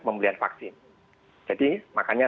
pembelian vaksin jadi makanya